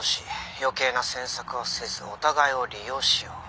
「余計な詮索はせずお互いを利用しよう」